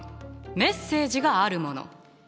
メッセージがあるもの